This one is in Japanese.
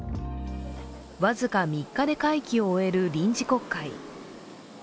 僅か３日で会期を終える臨時国会。